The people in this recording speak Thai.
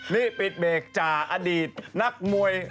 นี่ปิดเบรกจ่าอดีตนักมวย